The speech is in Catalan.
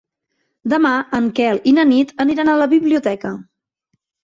Demà en Quel i na Nit aniran a la biblioteca.